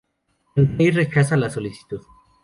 El rey rechaza la solicitud.